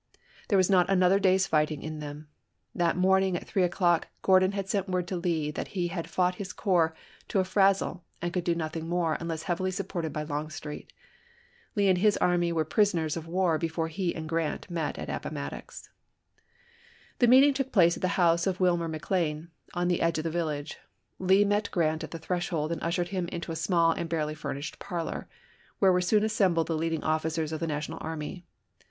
There was not another day's fighting in them. That morn ing at three o'clock Gordon had sent word to Lee that he had fought his corps " to a frazzle," and could Badeau, " Military History of U.S. Grant." Vol. TIL, p. 601. APPOMATTOX 195 do nothing more unless heavily supported by Longstreet. Lee and his army were prisoners of war before he and Grant met at Appomattox. The meeting took place at the house of Wilmer McLean, in the edge of the village. Lee met Grant at the threshold, and ushered him into a small and barely furnished parlor, where were soon assembled the leading officers of the National army.